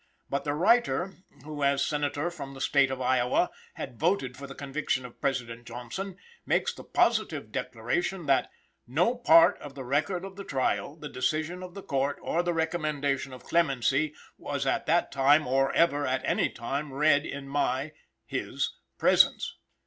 But the writer, who, as Senator from the State of Iowa, had voted for the conviction of President Johnson, makes the positive declaration, that "no part of the record of the trial, the decision of the court, or the recommendation of clemency was at that time or ever at any time read in my (his) presence."